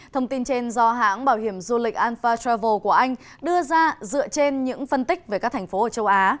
thông tin trên do hãng bảo hiểm du lịch alfa travel của anh đưa ra dựa trên những phân tích về các thành phố ở châu á